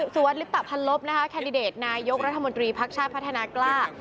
เออส่วนสุวรรษฤษภัณฑ์ลบคันดิเดตนายยกรัฐมนตรีพรรคชาติพัฒนากล้า